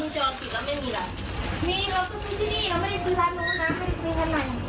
จนคุณไม่ได้ซื้อร้านนี้ใช่มั้ย